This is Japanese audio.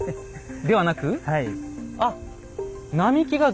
ではなく？